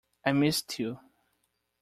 I missed you.